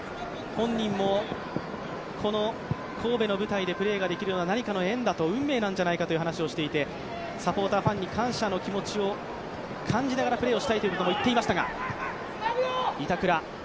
本人もこの神戸の舞台でプレーができるのは何かの縁だと運命なんじゃないかという話をしていてサポーター、ファンに感謝の気持ちを感じながらプレーをしたいと語っていました。